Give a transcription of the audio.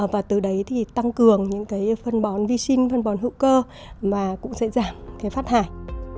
và từ đấy thì tăng cường những cái phân bón vi sinh phân bón hữu cơ mà cũng sẽ giảm cái phát thải